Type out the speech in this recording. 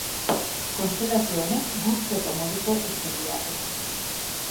Konstelazio honek gurtzeko moduko istorioa du.